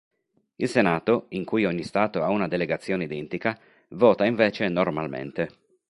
Il Senato, in cui ogni stato ha una delegazione identica, vota invece normalmente.